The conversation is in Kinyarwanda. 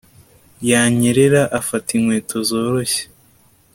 yanyerera afata inkweto zoroshye